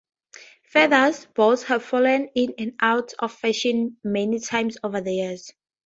Feather boas have fallen in and out of fashion many times over the years.